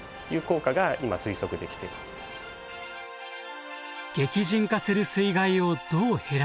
激甚化する水害をどう減らすか？